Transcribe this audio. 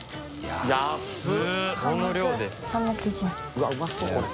うわぁうまそうこれ。